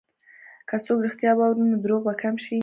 که څوک رښتیا واوري، نو دروغ به کم شي.